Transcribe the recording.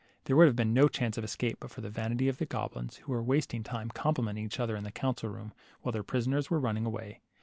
There would have been no chance of escape but for the vanity of the goblins, who were wasting time complimenting each other in the council room while their prisoners were running away.